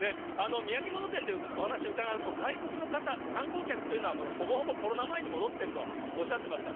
土産物店でお話伺うと、外国の方、観光客というのはほぼほぼコロナ前に戻ってるとおっしゃってました。